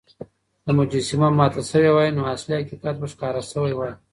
که مجسمه ماته شوې وای، نو اصلي حقيقت به ښکاره شوی وای.